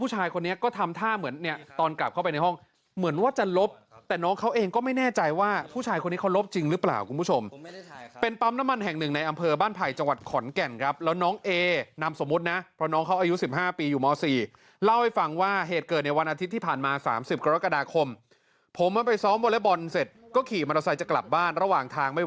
อ๋อหมายถึงคลิปนี้ที่น้องถ่ายหรือเปล่า